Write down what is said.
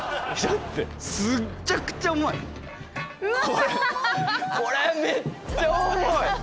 これこれめっちゃ重い。